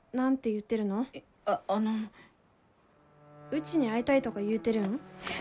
うちに会いたいとか言うてるん？